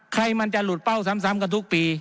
ใครมันจะหลุดเป้าซ้ำกันทุกปี